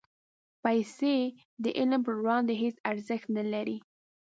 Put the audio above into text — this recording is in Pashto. پېسې د علم پر وړاندې هېڅ ارزښت نه لري.